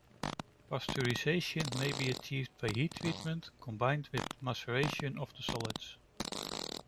Pasteurisation may be achieved by heat treatment combined with maceration of the solids.